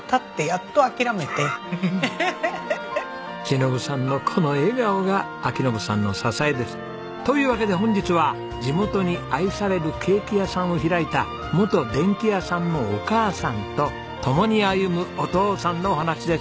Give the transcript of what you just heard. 忍さんのこの笑顔が章伸さんの支えです。というわけで本日は地元に愛されるケーキ屋さんを開いた元電気屋さんのお母さんと共に歩むお父さんのお話です。